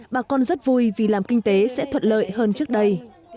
bà con rất vui vì làm kinh tế sẽ thuận lợi hơn trước đây